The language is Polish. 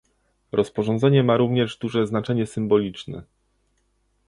Rozporządzenie ma również duże znaczenie symboliczne